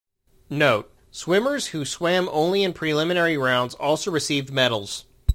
Note: swimmers who swam only in preliminary rounds also received medals.